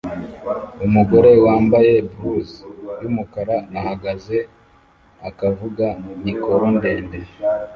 Umugore wambaye blus yumukara ahagaze akavuga mikoro ndende